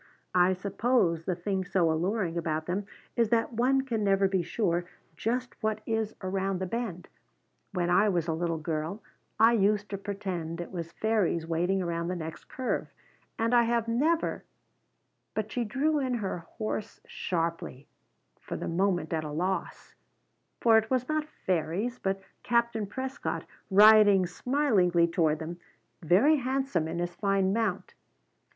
"I suppose the thing so alluring about them is that one can never be sure just what is around the bend. When I was a little girl I used to pretend it was fairies waiting around the next curve, and I have never " But she drew in her horse sharply, for the moment at a loss; for it was not fairies, but Captain Prescott, riding smilingly toward them, very handsome on his fine mount.